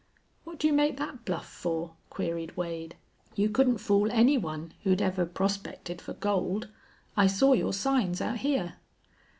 "What do you make that bluff for?" queried Wade. "You couldn't fool any one who'd ever prospected for gold. I saw your signs out here."